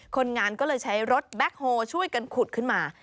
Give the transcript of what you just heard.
คนงานก็เลยใช้รถแบ็คโฮลช่วยกันขุดขึ้นมา